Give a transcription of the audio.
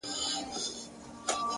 هره هڅه د بدلون پیل دی!